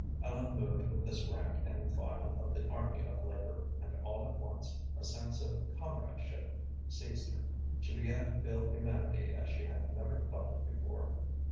Ellen moved with this rank and file of the army of labor, and all at once a sense of comradeship seized her. She began to feel humanity as she had never felt it before.